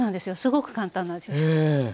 すごく簡単な。